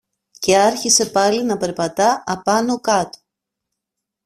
Και άρχισε πάλι να περπατά απάνω-κάτω.